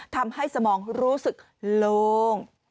ทำให้สมองรู้สึกลง